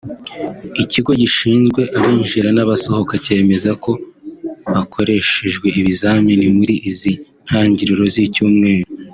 Ikigo gishinzwe Abinjira n’Abasohoka cyemeza ko bakoreshejwe ibizamini muri izi ntangiriro z’icyumweru